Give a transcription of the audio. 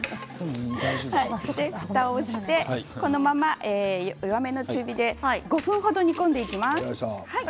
ふたをして弱めの中火で５分程煮込んでいきます。